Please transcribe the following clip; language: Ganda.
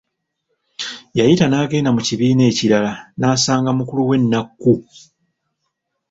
Yayita n'agenda mu kibiina ekirala n'asanga mukuluwe Nnakku.